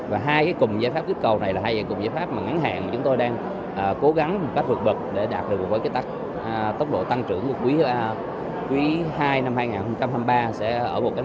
và hai cái cùng giá pháp kích cầu này là hai cái cùng giá pháp ngắn hàng mà chúng tôi đang cố gắng một cách vượt bật để đạt được một tốc độ tăng trưởng của quý ii năm hai nghìn hai mươi ba